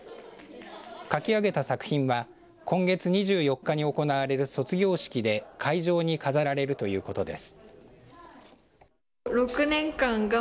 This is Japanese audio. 書き上げた作品は今月２４日に行われる卒業式で会場に飾られるということです。